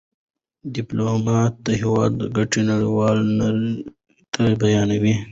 ډيپلومات د هېواد ګټې نړېوالي نړۍ ته بیانوي.